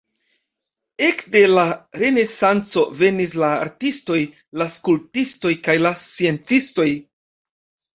Ekde la renesanco venis la artistoj, la skulptistoj kaj la sciencistoj.